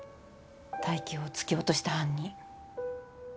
泰生を突き落とした犯人。